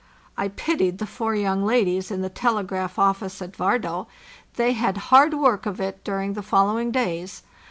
I pitied the four young ladies in the telegraph office at Vardo; THE JOURNEY SOUTHWARD 583 they had hard work of it during the following days.